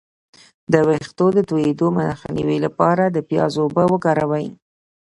د ویښتو د تویدو مخنیوي لپاره د پیاز اوبه وکاروئ